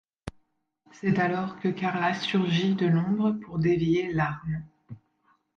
C'est alors que Karla surgit de l'ombre pour dévier l'arme.